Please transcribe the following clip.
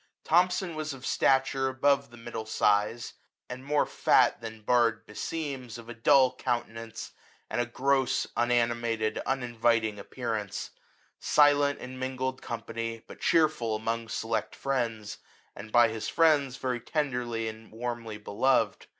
Thomson was of stature above the mid dle size, and " more fat than bard beseems/' of a dull countenance, and a gross, unani mated, uninviting appearance; silent in mingled company, but cheerful among select friends, and by his friends very tenderly and warmly beloved.